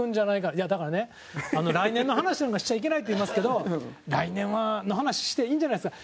いや、だからね来年の話なんかしちゃいけないっていいますけど来年の話していいんじゃないですか？